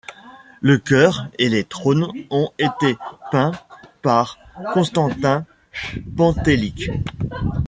Le chœur et les trônes ont été peints par Konstantin Pantelić.